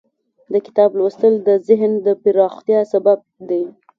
د کتاب لوستل د ذهن د پراختیا سبب دی.